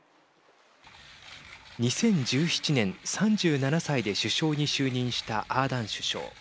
２０１７年３７歳で首相に就任したアーダーン首相。